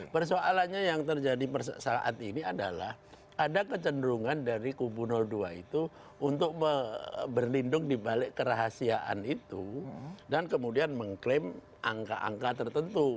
persoalannya yang terjadi saat ini adalah ada kecenderungan dari kubu dua itu untuk berlindung dibalik kerahasiaan itu dan kemudian mengklaim angka angka tertentu